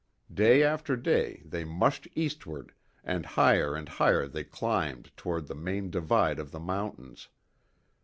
Day after day they mushed eastward, and higher and higher they climbed toward the main divide of the mountains.